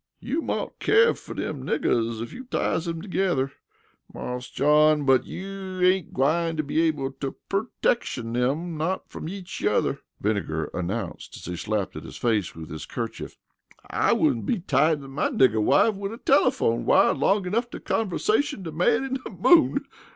"You mought care fer dem niggers ef you ties em togedder, Marse John. But you ain't gwine be able to pertection 'em not from each yuther," Vinegar announced as he slapped at his face with his kerchief. "I wouldn't be tied to my nigger wife wid a telephone wire long enough to conversation de man in de moon.